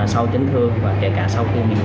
sau chấn thương và kể cả sau khuôn miệng